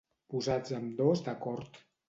Posats ambdós d'acord.